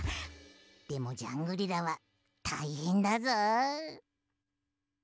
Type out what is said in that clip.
でもジャングリラはたいへんだぞ。